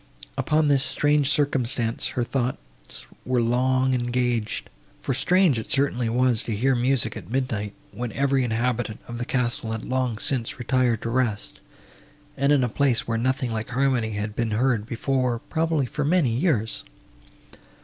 Upon this strange circumstance her thoughts were long engaged, for strange it certainly was to hear music at midnight, when every inhabitant of the castle had long since retired to rest, and in a place, where nothing like harmony had been heard before, probably, for many years.